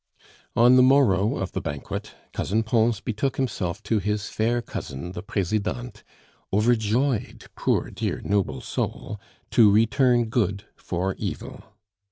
On the morrow of the banquet, Cousin Pons betook himself to his fair cousin the Presidente, overjoyed poor dear noble soul! to return good for evil.